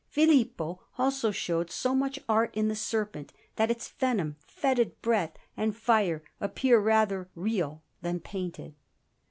Filippo also showed so much art in the serpent, that its venom, fetid breath, and fire, appear rather real than painted.